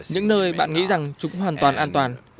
những nơi bạn nghĩ rằng chúng hoàn toàn an toàn